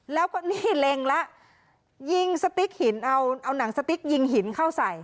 แล้วก็นี่เล็งแล้วยิงสติ๊กหินเอาเอาหนังสติ๊กยิงหินเข้าใส่